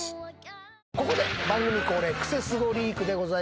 ここで番組恒例クセスゴリークです。